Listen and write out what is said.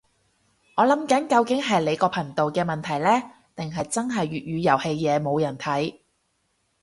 我諗緊究竟係你個頻道嘅問題呢，定係真係粵語遊戲嘢冇人睇